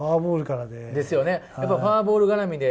フォアボールがらみで。